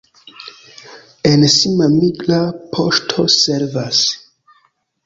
En Sima migra poŝto servas.